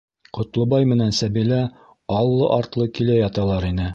Ҡотлобай менән Сәбилә аллы-артлы килә яталар ине.